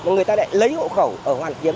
người ta lại lấy hộ khẩu ở hoàn kiếm